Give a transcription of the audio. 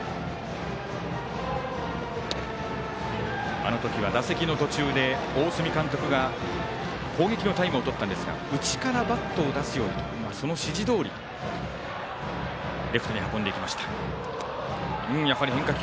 あの時は打席の途中で大角監督が攻撃のタイムをとったんですが内からバットを出すようにとその指示どおりレフトへ運んでいきました。